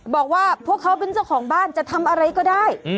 บอกว่าพวกเขาเป็นเจ้าของบ้านจะทำอะไรก็ได้